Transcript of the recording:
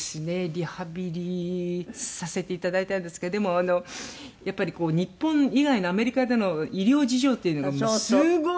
リハビリさせていただいてるんですけどでもやっぱり日本以外のアメリカでの医療事情っていうのがもうすごい。